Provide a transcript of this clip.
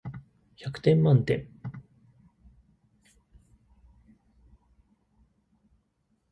百点満点